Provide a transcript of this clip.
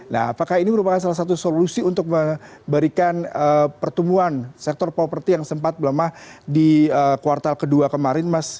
nah apakah ini merupakan salah satu solusi untuk memberikan pertumbuhan sektor properti yang sempat melemah di kuartal kedua kemarin mas